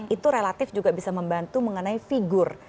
itu relatif juga bisa membantu mengenai figur